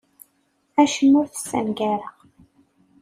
Acemma ur t-ssengareɣ.